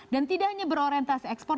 dan tidak hanya berorientasi ekspor